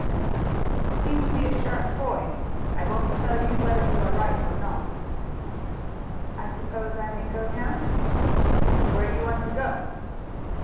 "You seem to be a sharp boy; I won't tell you whether you are right or not." "I suppose I may go now?" "Where do you want to go?"